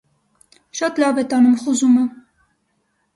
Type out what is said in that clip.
Շատ լավ է տանում խուզումը։